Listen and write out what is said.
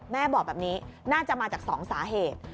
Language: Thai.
แม่บอกแบบนี้น่าจะมาจาก๒สาเหตุ